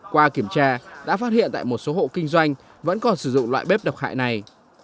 qua kiểm tra đã phát hiện tại một số hộ kinh doanh vẫn còn sử dụng loại bếp độc hại này